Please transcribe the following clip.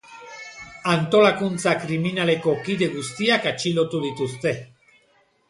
Antolakuntza kriminaleko kide guztiak atxilotu dituzte.